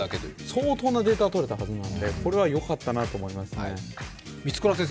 相当なデータが取れたはずなので、これはよかったなと思いますね。